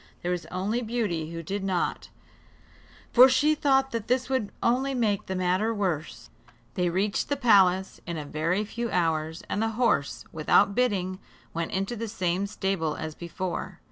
There was only Beauty who did not, for she thought that this would only make the matter worse. They reached the palace in a very few hours, and the horse, without bidding, went into the same stable as before.